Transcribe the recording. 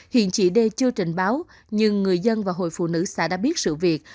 hiện chị đê chưa trình báo nhưng người dân và hội phụ nữ xã đã biết sự việc